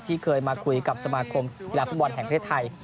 เคยมาคุยกับสมาคมกีฬาฟุตบอลแห่งประเทศไทย